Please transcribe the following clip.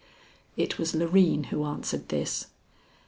It was Loreen who answered this.